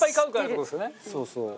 そうそう。